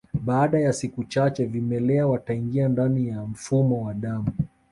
Baada ya siku chache vimelea wataingia ndani ya mfumo wa damu